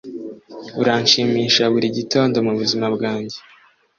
uranshimisha buri gitondo mubuzima bwanjye,